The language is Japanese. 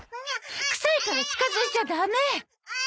くさいから近づいちゃダメ！